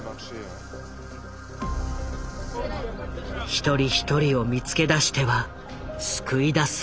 一人一人を見つけ出しては救い出す。